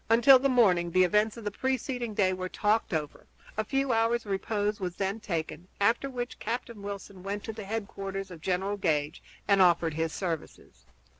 Until the morning the events of the preceding day were talked over; a few hours' repose was then taken, after which Captain Wilson went to the headquarters of General Gage and offered his services.